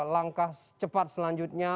langkah cepat selanjutnya